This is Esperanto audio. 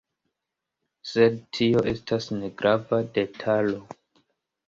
Sed tio estas negrava detalo.